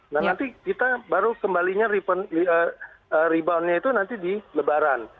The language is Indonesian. nah nanti kita baru kembalinya reboundnya itu nanti di lebaran